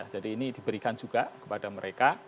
jadi ini diberikan juga kepada mereka